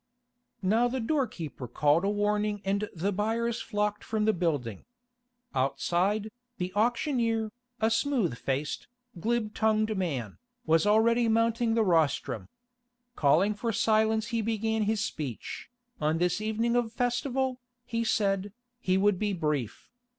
Now the door keeper called a warning and the buyers flocked from the building. Outside, the auctioneer, a smooth faced, glib tongued man, was already mounting the rostrum. Calling for silence he began his speech. On this evening of festival, he said, he would be brief.